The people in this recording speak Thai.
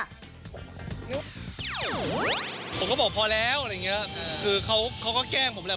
ผมก็บอกพอแล้วคือเขาก็แกล้งผมแหละ